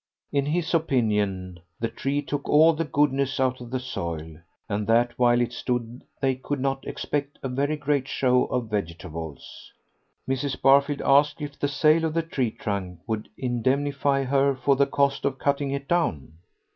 In his opinion the tree took all the goodness out of the soil, and that while it stood they could not expect a very great show of vegetables. Mrs. Barfield asked if the sale of the tree trunk would indemnify her for the cost of cutting it down.